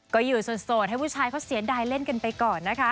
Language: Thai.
ก็อยู่โสดให้ผู้ชายเขาเสียดายเล่นกันไปก่อนนะคะ